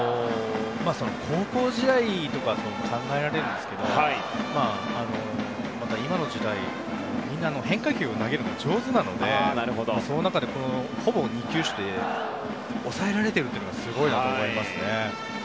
高校時代とか考えられるんですけど今の時代、みんな変化球を投げるのが上手なのでその中でほぼ２球種で抑えられているのがすごいなと思いますね。